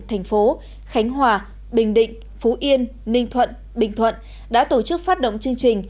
thành phố khánh hòa bình định phú yên ninh thuận bình thuận đã tổ chức phát động chương trình